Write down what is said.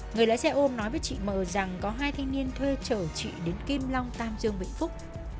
người lá xe ôm nói với chị m rằng có hai thanh niên thuê chở chị đến kim long tam dương bệnh phúc